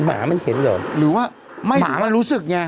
หมามันเห็นเหรอหรือว่าหมามันรู้สึกไง